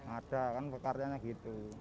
ada kan pekarnya gitu